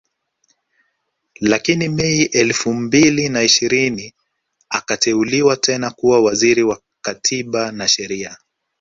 Lakini Mei elfu mbili na ishirini akateuliwa tena kuwa Waziri Wa Katiba na Sheria